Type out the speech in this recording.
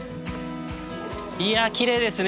いやきれいですね。